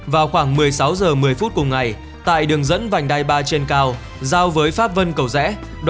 vào khoảng một mươi sáu h một mươi phút cùng ngày tại đường dẫn vành đai ba trên cao giao với pháp vân cầu rẽ